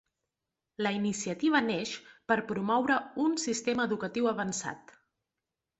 La iniciativa neix per promoure un sistema educatiu avançat.